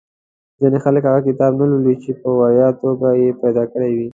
ځینې خلک هغه کتاب نه لولي چې په وړیا توګه یې پیدا کړی وي.